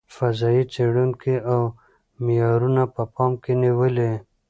فضايي څېړونکو اوه معیارونه په پام کې نیولي.